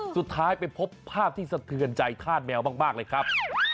สุดท้ายไปพบภาพที่สะเทือนใจธาตุแมวมากเลยครับ